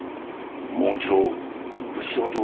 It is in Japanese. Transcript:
もう一度物証と目撃者